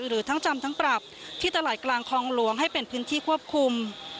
หรือทั้งจำทั้งปรับที่ตลาดกลางคลองหลวงให้เป็นพื้นที่ควบคุม